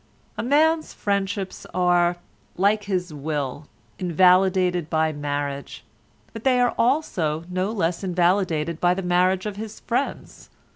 A man's friendships are, like his will, invalidated by marriage—but they are also no less invalidated by the marriage of his friends.